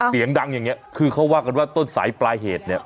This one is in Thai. เสียงดังอย่างเงี้คือเขาว่ากันว่าต้นสายปลายเหตุเนี่ย